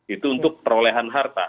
itu untuk perolehan harta